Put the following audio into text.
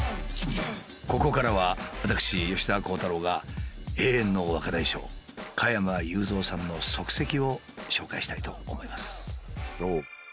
ここからは私吉田鋼太郎が永遠の若大将加山雄三さんの足跡をご紹介したいと思います。